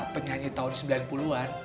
penyanyi tahun sembilan puluh an